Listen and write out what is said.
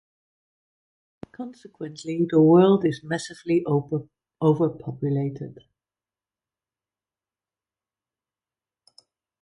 Consequently, the world is massively overpopulated.